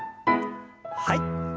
はい。